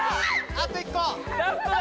あと１個。